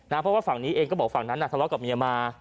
เพราะว่าฝั่งนี้เองก็บอกฝั่งนั้นทะเลาะกับเมียมา